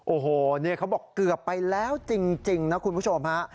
โอ้โหเนี่ยเขาบอกเกือบไปแล้วจริงนะคุณผู้ชมฮะ